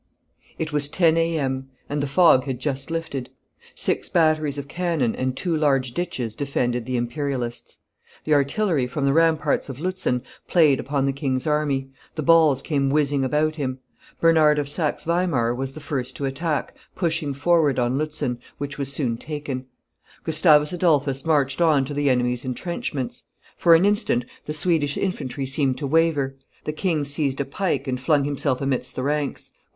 It was ten A. M., and the fog had just lifted; six batteries of cannon and two large ditches defended the Imperialists; the artillery from the ramparts of Liitzen played upon the king's army, the balls came whizzing about him; Bernard of Saxe Weimar was the first to attack, pushing forward on Liitzen, which was soon taken; Gustavus Adolphus marched on to the enemy's intrenchments; for an instant the Swedish infantry seemed to waver; the king seized a pike and flung himself amidst the ranks.